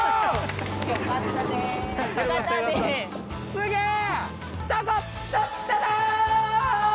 すげえ！